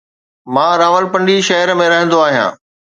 مان راولپنڊي شهر ۾ رهندو آهيان.